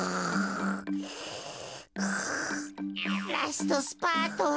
ラストスパートは。